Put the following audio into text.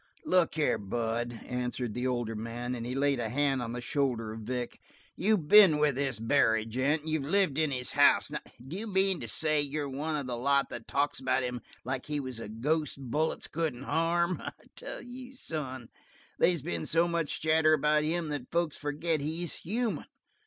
"Look here, Bud," answered the older man, and he laid a hand on the shoulder of Vic. "You been with this Barry, gent, and you've lived in his house. D'you mean to say you're one of the lot that talks about him like he was a ghost bullets couldn't harm? I tell you, son, they's been so much chatter about him that folks forget he's human.